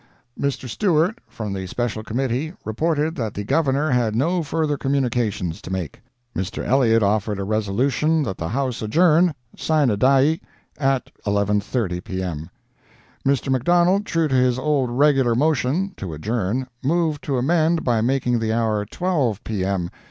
Mr. Stewart, from the special Committee, reported that the Governor had no further communications to make. Mr. Elliott offered a resolution that the House adjourn sine die at 11:30 P.M. Mr. McDonald, true to his old regular motion [to adjourn] moved to amend by making the hour 12 P.M.